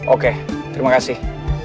oke terima kasih